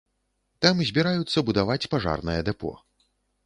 Там збіраюцца будаваць пажарнае дэпо.